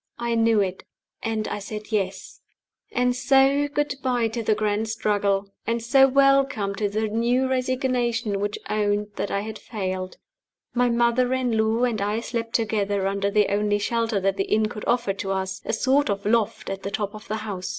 I knew it and I said Yes. And so good by to the grand struggle! And so welcome to the new resignation which owned that I had failed. My mother in law and I slept together under the only shelter that the inn could offer to us a sort of loft at the top of the house.